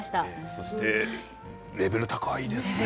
そしてレベルが高いですね。